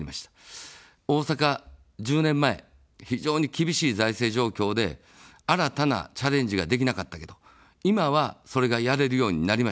大阪１０年前、非常に厳しい財政状況で、新たなチャレンジができなかったけど、今は、それがやれるようになりました。